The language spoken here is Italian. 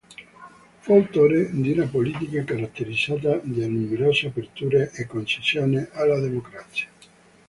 Fu autore di una politica caratterizzata da numerose aperture e concessioni alla democrazia.